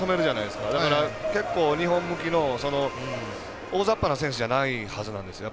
だから、結構日本向きの大雑把な選手じゃないはずなんですよ。